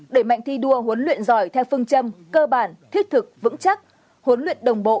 đẩy mạnh thi đua huấn luyện giỏi theo phương châm cơ bản thiết thực vững chắc huấn luyện đồng bộ